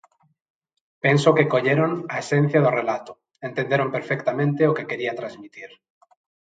Penso que colleron a esencia do relato, entenderon perfectamente o que quería transmitir.